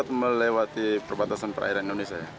jadi sempat melewati perbatasan perairan indonesia ya